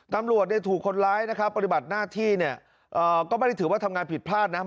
ตำรวจเนี่ยถูกคนร้ายนะครับปฏิบัติหน้าที่เนี่ยก็ไม่ได้ถือว่าทำงานผิดพลาดนะ